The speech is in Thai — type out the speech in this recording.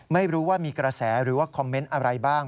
ไม่รู้ว่ามีกระแสหรือว่าคอมเมนต์อะไรบ้าง